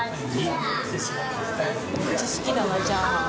めっちゃ好きだなチャーハン。